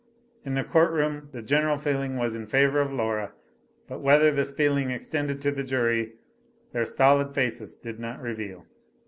In the court room the general feeling was in favor of Laura, but whether this feeling extended to the jury, their stolid faces did not reveal.